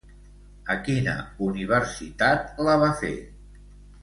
A quina universitat la va fer?